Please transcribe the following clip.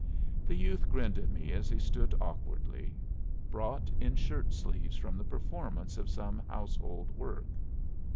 The youth grinned at me as he stood awkwardly, brought in shirtsleeves from the performance of some household work.